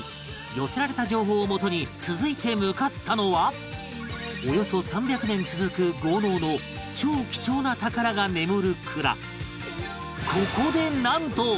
寄せられた情報をもとに続いて向かったのはおよそ３００年続く豪農の超貴重な宝が眠る蔵